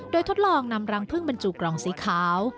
โดยทดลองนำรังพึ่งบรรจุกล่องสีขาว